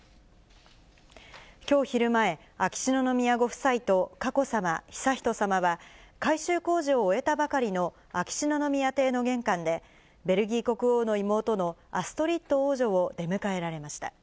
きょう昼前、秋篠宮ご夫妻と佳子さま、悠仁さまは改修工事を終えたばかりの秋篠宮邸の玄関で、ベルギー国王の妹のアストリッド王女を出迎えられました。